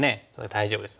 大丈夫です。